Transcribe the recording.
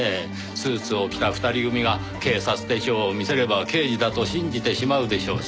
スーツを着た二人組が警察手帳を見せれば刑事だと信じてしまうでしょうし。